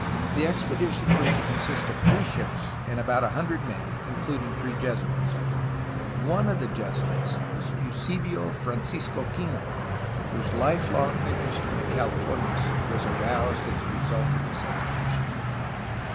The expedition was to consist of three ships and about a hundred men, including three Jesuits. One of the Jesuits was Eusebio Francisco Kino, whose life long interest in the Californias was aroused as a result of this expedition.